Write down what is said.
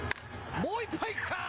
もう１本いくか。